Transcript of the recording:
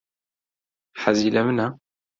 حەزی لە منە؟